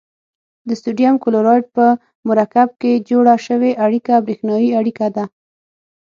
د سوډیم کلورایډ په مرکب کې جوړه شوې اړیکه بریښنايي اړیکه ده.